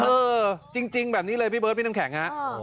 เออจริงแบบนี้เลยพี่เบิร์ดพี่น้ำแข็งฮะ